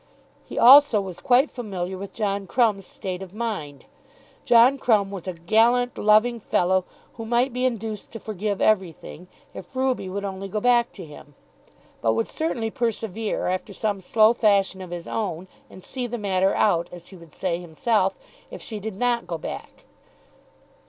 He also was quite familiar with John Crumb's state of mind. John Crumb was a gallant, loving fellow who might be induced to forgive everything, if Ruby would only go back to him; but would certainly persevere, after some slow fashion of his own, and "see the matter out," as he would say himself, if she did not go back.